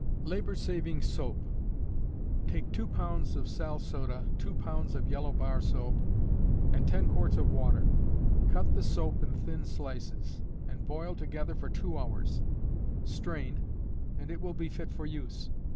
Labor Saving Soap. Take two pounds of sal soda, two pounds of yellow bar soap, and ten quarts of water. Cut the soap in thin slices, and boil together for two hours; strain, and it will be fit for use.